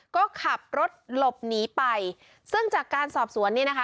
ก็ขับรถหลบหนีไปซึ่งจากการสอบสวนเนี่ยนะคะ